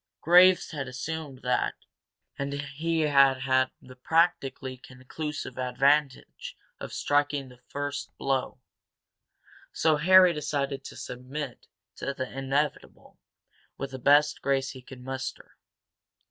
Graves had assumed that, and he had had the practically conclusive advantage of striking the first blow. So Harry decided to submit to the inevitable with the best grace he could muster.